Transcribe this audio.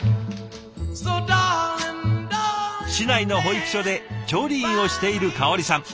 市内の保育所で調理員をしている香織さん。